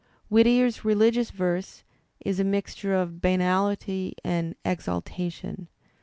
Whittier's religious verse is a mixture of banality and exal tation.